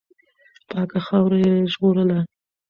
پاکه خاوره یې ژغورله.